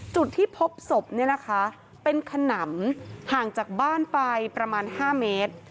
จุดที่พบศพเนี่ยนะคะเป็นขนำห่างจากบ้านไปประมาณ๕เมตร